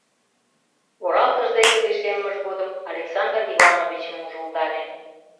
Оралтыж деке лишеммыж годым Александр Ивановичым ужылдале.